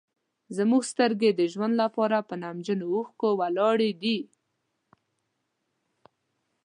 زموږ سترګې د ژوند لپاره په نمجنو اوښکو ولاړې دي.